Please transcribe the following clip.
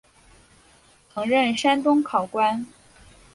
曾任山东考官。